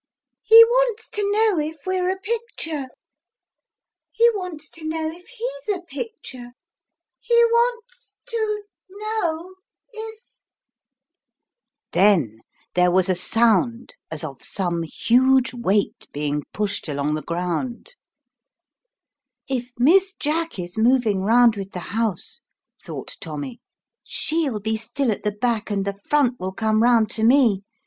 " He wants to know if we're a picture : he wants to know if lies a picture : he wants to know if " Then there was a sound as of some huge weight being pushed along the ground. *' If Miss Jack is moving round with the house," thought Tom does not knoiv what's what or which is which. 63 Tommy, " she'll be still at the back, and the front will come round to me.